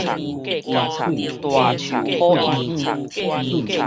大樹好蔭影